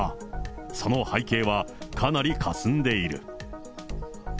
その背景はかなりかすんでいる。